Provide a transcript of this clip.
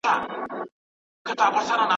د زلمیو پاڅېدلو په اوږو کي